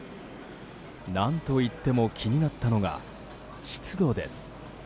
何といっても気になったのが湿度です。